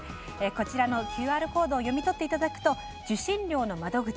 こちらのＱＲコードを読み取っていただくと受信料の窓口